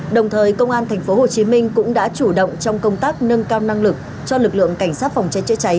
đồng thời công an tp hcm cũng đã chủ động trong công tác nâng cao năng lực cho lực lượng cảnh sát phòng cháy chữa cháy